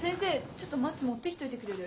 ちょっとマッチ持ってきといてくれる？